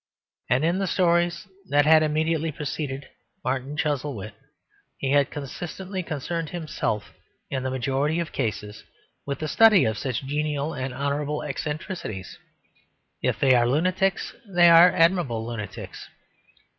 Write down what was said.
And in the stories that had immediately preceded Martin Chuzzlewit he had consistently concerned himself in the majority of cases with the study of such genial and honourable eccentrics; if they are lunatics they are amiable lunatics.